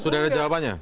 sudah ada jawabannya